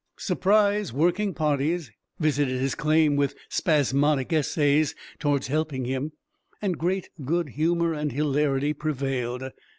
"Surprise" working parties visited his claim with spasmodic essays towards helping him, and great good humor and hilarity prevailed.